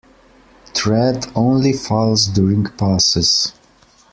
Thread only falls during Passes.